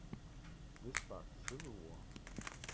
This sparked a civil war.